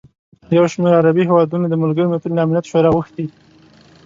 یوشمېر عربي هېوادونو د ملګروملتونو له امنیت شورا غوښتي